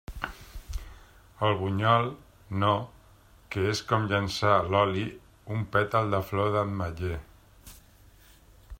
El bunyol, no, que és com llançar a l'oli un pètal de flor d'ametler.